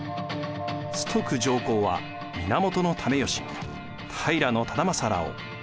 崇徳上皇は源為義平忠正らを。